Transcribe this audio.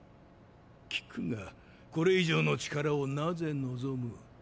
聞くがこれ以上の力を何故望む？